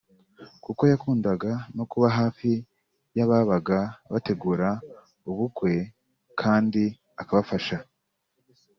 kuko yakundaga no kuba hafi y’ababaga bategura ubukwe kandi akabafasha